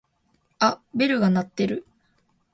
あっベルが鳴ってる。